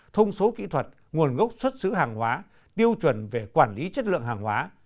thông số kỹ thuật nguồn gốc xuất xứ hàng hóa tiêu chuẩn về quản lý chất lượng hàng hóa